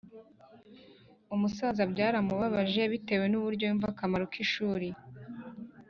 umusaza byaramubabaje bitewe n’uburyo yumva akamaro k’ishuri